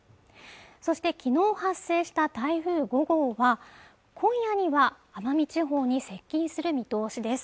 そして昨日発生した台風５号は今夜には奄美地方に接近する見通しです